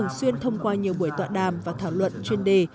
đồng hành xuyên thông qua nhiều buổi tọa đàm và thảo luận chuyên đề